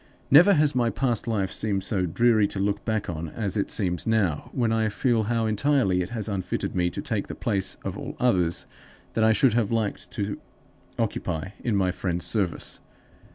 Never has my past life seemed so dreary to look back on as it seems now, when I feel how entirely it has unfitted me to take the place of all others that I should have liked to occupy in my friend's service.